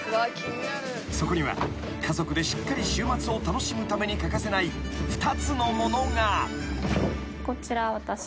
［そこには家族でしっかり週末を楽しむために欠かせない２つのものが］